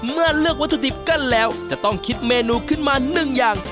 เมื่อเลือกวัตถุดิบกั้นแล้วจะต้องคิดเมนูขึ้นมาหนึ่งอย่าง